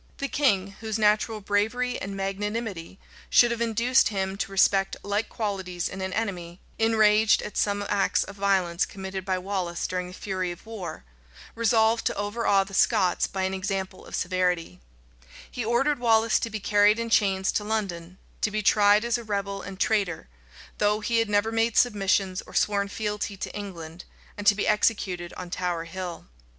The king, whose natural bravery and magnanimity should have induced him to respect like qualities in an enemy, enraged at some acts of violence committed by Wallace during the fury of war, resolved to overawe the Scots by an example of severity: he ordered Wallace to be carried in chains to London; to be tried as a rebel and traitor, though he had never made submissions or sworn fealty to England; and to be executed on Tower Hill.